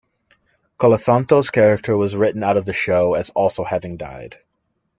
Colasanto's character was written out of the show as also having died.